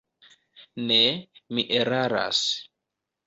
Ne, mi eraras.